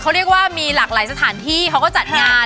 เขาเรียกว่ามีหลากหลายสถานที่เขาก็จัดงาน